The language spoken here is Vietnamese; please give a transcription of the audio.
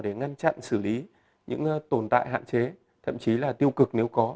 để ngăn chặn xử lý những tồn tại hạn chế thậm chí là tiêu cực nếu có